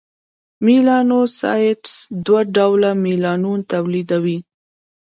میلانوسایټس دوه ډوله میلانون تولیدوي: